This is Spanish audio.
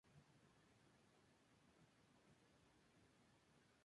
En torno a esta ciudad comenzó la construcción de la nación francesa.